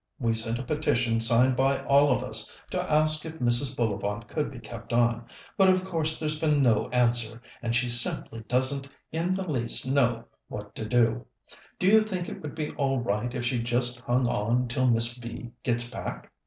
We sent a petition signed by all of us to ask if Mrs. Bullivant could be kept on; but of course there's been no answer, and she simply doesn't in the least know what to do. Do you think it would be all right if she just hung on till Miss V. gets back?